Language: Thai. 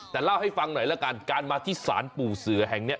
แต่เล่าให้ฟังหน่อยแล้วกันการมาที่ศาลปู่เสือแห่งนี้